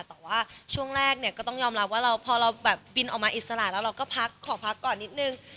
แต่ว่าช่วงแรกเนี่ยก็ต้องยอมรับว่าพอเราแบบบินออกมาอิสระแล้วเราก็พักขอพักก่อนนิดนึง